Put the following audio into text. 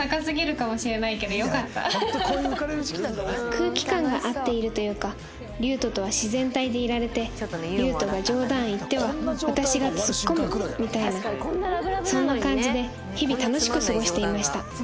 空気感が合っているというかリュウトとは自然体でいられてリュウトが冗談言っては私がツッコむみたいなそんな感じで日々楽しく過ごしていました